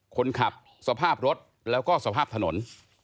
คนขับสภาพรถแล้วก็สภาพถนน